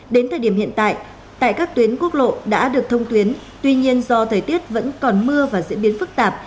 đến thời điểm hiện tại tại các tuyến quốc lộ đã được thông tuyến tuy nhiên do thời tiết vẫn còn mưa và diễn biến phức tạp